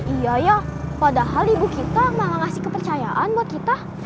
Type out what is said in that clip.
iya ya padahal ibu kita malah ngasih kepercayaan buat kita